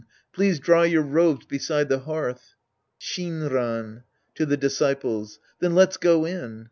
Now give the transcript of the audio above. Please dry your robes beside the hearth. Shinran (to the disciples). Then let's go in.